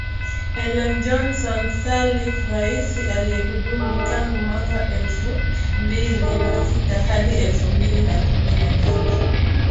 Ellen Johnson Sirleaf rais aliyehudumu tangu mwaka elfu mbili na sita hadi elfu mbili na kumi na nane